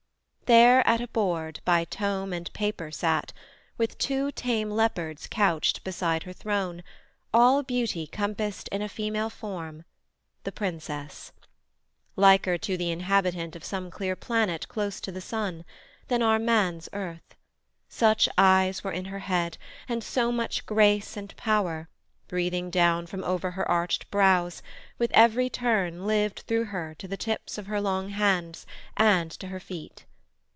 There at a board by tome and paper sat, With two tame leopards couched beside her throne, All beauty compassed in a female form, The Princess; liker to the inhabitant Of some clear planet close upon the Sun, Than our man's earth; such eyes were in her head, And so much grace and power, breathing down From over her arched brows, with every turn Lived through her to the tips of her long hands, And to her feet.